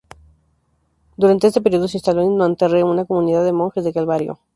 Durante este período se instaló en Nanterre una comunidad de monjes del Calvario.